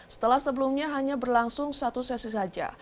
setelah sebelumnya hanya berlangsung satu sesi saja